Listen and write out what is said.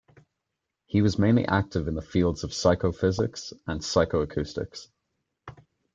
He was mainly active in the fields of psychophysics and psychoacoustics.